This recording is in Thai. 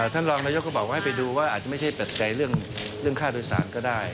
ท่านรองนายกก็บอกว่าให้ไปดูว่าอาจจะไม่ใช่ปัจจัยเรื่องค่าโดยสารก็ได้